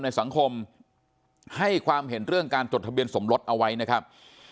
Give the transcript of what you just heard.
ในสังคมให้ความเห็นเรื่องการจดทะเบียนสมรสเอาไว้นะครับ